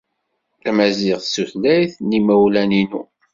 Tamaziɣt d tutlayt n yimawlan-inu.